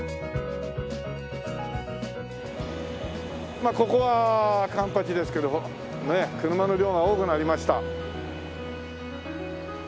まあここは環八ですけど車の量が多くなりました。